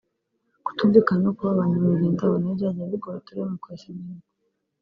kutumvikana no kuba ba nyamwigendaho nabyo byagiye bigora uturere mu kwesa imihigo